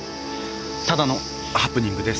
ただのハプニングです。